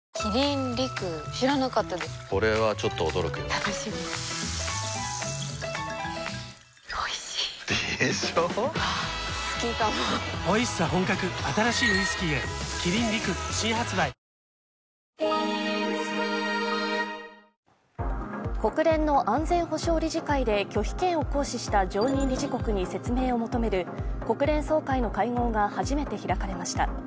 ただ政権側は岸田インフレという言葉には国連の安全保障理事会で拒否権を行使した常任理事国に設営を求める国連総会の会合が初めて開かれました。